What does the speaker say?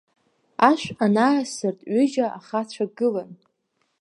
Ашә анаасырт, ҩыџьа ахацәа гылан.